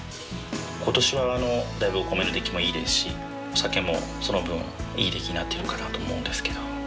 今年はだいぶお米の出来もいいですしお酒もその分いい出来になってるかなと思うんですけど。